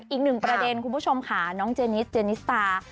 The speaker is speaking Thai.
อีกหนึ่งประเด็นคุณผู้ชมค่ะน้องเจนิสเจนิสตา